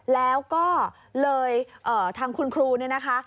แล้วก็เลยทางคุณครูเนี่ยนะคะ